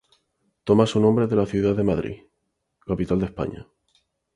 Toma su nombre de la ciudad de Madrid, capital de España.